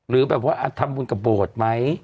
หรือแบบว่าทำบุญกับโบสถ์ไหม